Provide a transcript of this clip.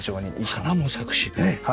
花も咲くしね。